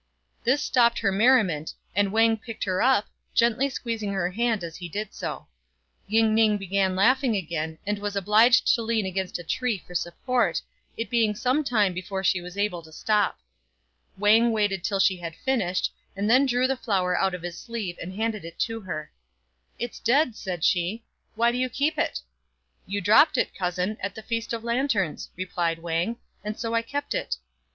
This stopped her merriment, and Wang picked her up, gently squeezing her hand as he did so. Ying ning began laughing again, and was obliged to lean against a tree for support, it being some time before she was able to stop. Wang waited till she had finished, and then drew the flower out of his sleeve and handed it to her. "It's dead," said she; "why do you keep it ?"" You dropped it, cousin, at the Feast of Lanterns," replied Wang, "and so I kept it."